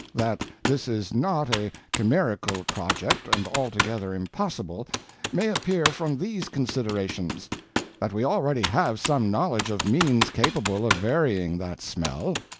"That this is not a Chimerical Project & altogether impossible, may appear from these considerations. That we already have some knowledge of means capable of varying that smell.